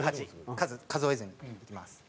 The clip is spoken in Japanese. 数数えずにいきます。